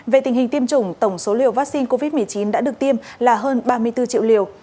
về tình hình tiêm chủng tổng số liều vaccine covid một mươi chín đã được tiêm là hơn ba mươi bốn triệu liều